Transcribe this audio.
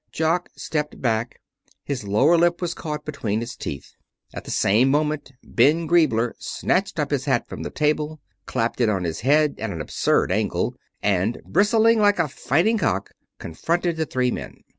Jock stepped back. His lower lip was caught between his teeth. At the same moment Ben Griebler snatched up his hat from the table, clapped it on his head at an absurd angle and, bristling like a fighting cock, confronted the three men.